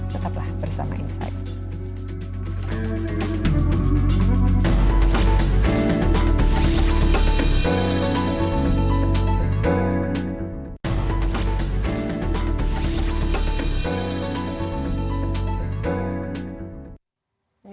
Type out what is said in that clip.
tetaplah bersama insight